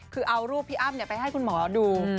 คือเอารูปพี่อ้ำไปให้คุณหมอดู